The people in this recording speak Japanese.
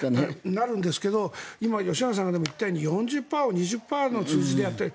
なるんですけど今、吉永さんが言ったように４０％を２０％の数字でやっている。